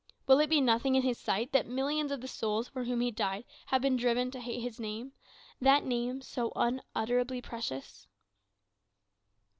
Will it be nothing in his sight that millions of the souls for whom he died have been driven to hate his Name that Name so unutterably precious?